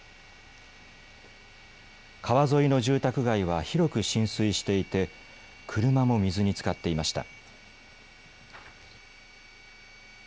川沿いの住宅街は広く浸水していて車も水につかっていました。